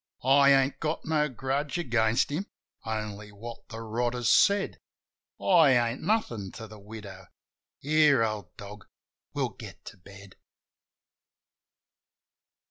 I ain't got no grudge against him — only what the rotter's said. I ain't nothin' to the widow! ... Here, old dog, we'll get to bed.